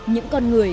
những con người